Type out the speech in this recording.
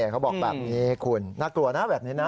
เขาบอกแบบนี้คุณน่ากลัวนะแบบนี้นะ